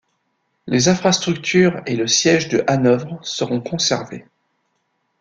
Les infrastructures et le siège de Hanovre seront conservés.